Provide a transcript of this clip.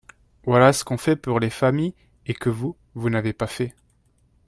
Voilà ce qu’on fait pour les familles et que vous, vous n’avez pas fait.